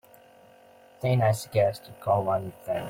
Then I suggest you call one of them.